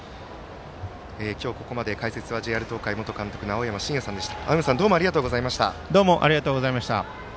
今日ここまで解説はＪＲ東海元監督の青山眞也さんでした。